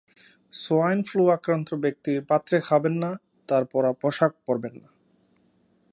Swine flu আক্রান্ত ব্যক্তির পাত্রে খাবেন না, তাঁর পরা পোশাক পরবেন না।